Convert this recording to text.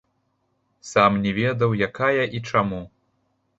Сам не ведаў, якая і чаму.